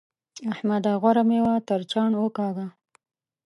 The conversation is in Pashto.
احمده! غوره مېوه تر چاڼ وکاږه.